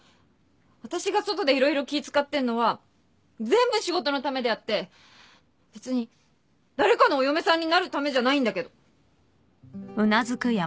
私が外で色々気使ってんのは全部仕事のためであって別に誰かのお嫁さんになるためじゃないんだけど。